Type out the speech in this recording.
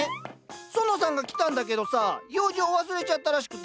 園さんが来たんだけどさ用事を忘れちゃったらしくて。